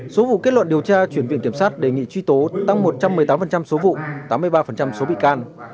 số vụ kết luận điều tra chuyển viện kiểm sát đề nghị truy tố tăng một trăm một mươi tám số vụ tám mươi ba số bị can